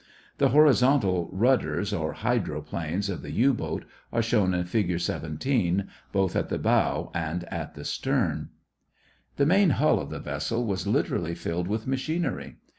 The horizontal rudders or hydroplanes of the U boat are shown in Fig. 17, both at the bow and at the stern. The main hull of the vessel was literally filled with machinery.